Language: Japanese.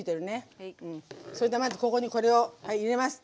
それでまずここにこれを入れます。